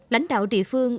lãnh đạo trị phương